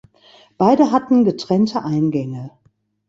Beide hatten getrennte Eingänge.